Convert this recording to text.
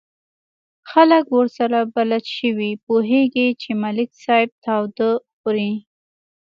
خلک ورسره بلد شوي، پوهېږي چې ملک صاحب تاوده خوري.